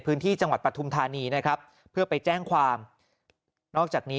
พื้นที่จังหวัดปฐุมธานีนะครับเพื่อไปแจ้งความนอกจากนี้